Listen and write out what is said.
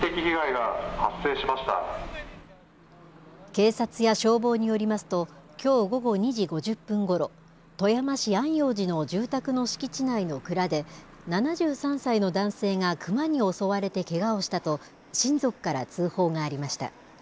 警察や消防によりますと、きょう午後２時５０分ごろ、富山市安養寺の住宅の敷地内の蔵で、７３歳の男性がクマに襲われてけがをしたと、親族から通報がありました。